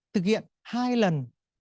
thực hiện hai lần